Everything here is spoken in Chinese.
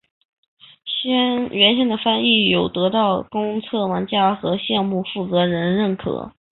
原先的翻译有得到公测玩家和项目负责人认可。